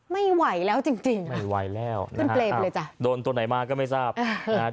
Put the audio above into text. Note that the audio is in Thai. ไม่ไหวแล้วจริงจริงไม่ไหวแล้วขึ้นเปรย์ไปเลยจ้ะโดนตัวไหนมาก็ไม่ทราบนะฮะ